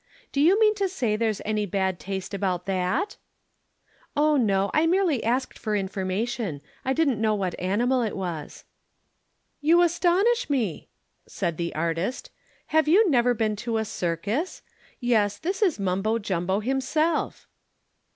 Do you mean to say there's any bad taste about that?" "Oh, no; I merely asked for information. I didn't know what animal it was." "You astonish me," said the artist. "Have you never been to a circus? Yes, this is Mumbo Jumbo himself."